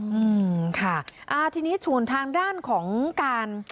อืมค่ะอ่าทีนี้ส่วนทางด้านของการ